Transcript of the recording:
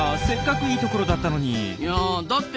せっかくいいところだったのに。